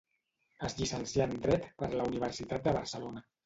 Es llicencià en dret per la Universitat de Barcelona.